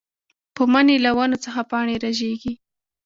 پۀ مني له ونو څخه پاڼې رژيږي